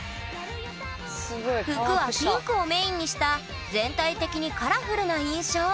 服はピンクをメインにした全体的にカラフルな印象